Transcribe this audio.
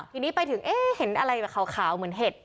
ทีนี้ไปถึงเห็นอะไรขาวเหมือนเห็ด